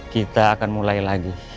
kita akan mulai lagi